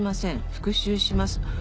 復讐します」。